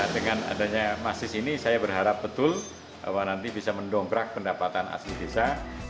dengan adanya masis ini saya berharap betul bahwa nanti bisa mendongkrak pendapatan asli desa